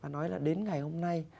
nói là đến ngày hôm nay